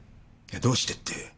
どうしてって。